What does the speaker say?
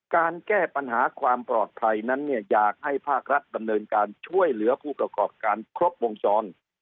การแก้ปัญหาความปลอดภัยนั้นอยากให้ภาครัฐบรรณเดญการช่วยเหลือผู้ประกอบการครบพวงศอน